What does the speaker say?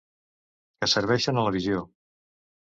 Que serveixen a la visió.